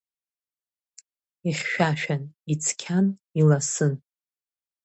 Ихьшәашәан, ицқьан, иласын.